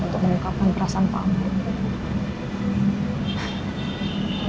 untuk menyukapkan perasaan pak